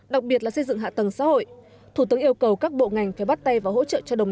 đặc biệt là xây dựng hạ tầng xã hội thủ tướng yêu cầu các bộ ngành phải bắt tay và hỗ trợ cho đồng